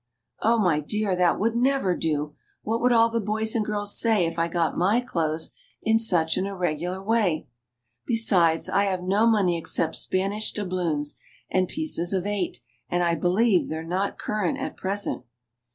" Oh, my dear ! that would never do ; what would all the boys and girls say if I got my clothes in such an irregular way ? Besides, I have no money except Spanish doubloons and pieces of eight, and I believe they're not current at present."